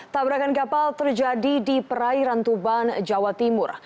tabrakan kapal terjadi di perairan tuban jawa timur